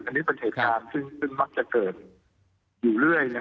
อันนี้เป็นเหตุการณ์ซึ่งมักจะเกิดอยู่เรื่อย